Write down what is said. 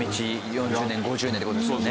４０年５０年って事ですよね。